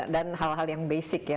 dan hal hal yang basic ya